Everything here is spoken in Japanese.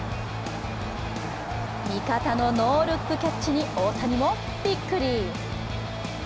味方のノールックキャッチに大谷もびっくり。